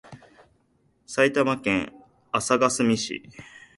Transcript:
埼玉県朝霞市